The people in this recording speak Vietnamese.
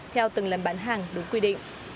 theo từng lần bán hàng đúng quy định